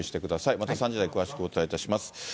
また３時台、詳しくお伝えします。